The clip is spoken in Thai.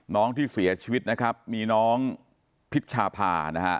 น้องที่เสียชีวิตนะครับมีน้องพิชชาพานะฮะ